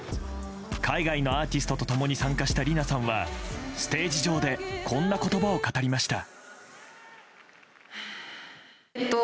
海外のアーティストと共に参加したリナさんはステージ上でこんな言葉を語りました。